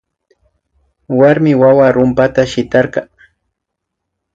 Warmi wawa rumpata shitarka